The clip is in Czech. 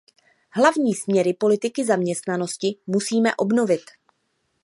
Hlavní směry politiky zaměstnanosti musíme obnovit.